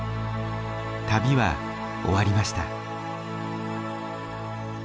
旅は終わりました。